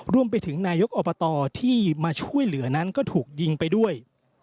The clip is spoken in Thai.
รวมไปถึงนายกอบตที่มาช่วยเหลือนั้นก็ถูกยิงไปด้วย